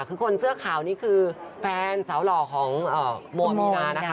คือคนเสื้อขาวนี่คือแฟนสาวหล่อของโมมีนานะคะ